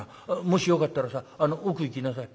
もしよかったらさあの奥行きなさい。